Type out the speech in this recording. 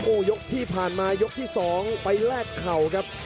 โอ้โหยกที่ผ่านมายกที่๒ไปแลกเข่าครับ